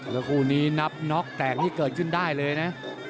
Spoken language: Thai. ตอนนี้นับน็อกแตกที่เกิดขึ้นได้เลยนะ